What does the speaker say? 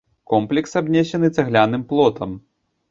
Комплекс абнесены цагляным плотам.